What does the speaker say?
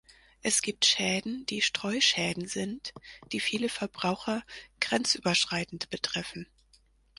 Es gibt Schäden, die Streuschäden sind, die viele Verbraucher grenzüberschreitend betreffen.